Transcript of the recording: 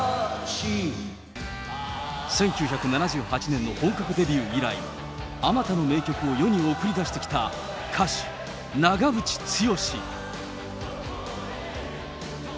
１９７８年の本格デビュー以来、あまたの名曲を世に送り出してきた歌手、長渕剛。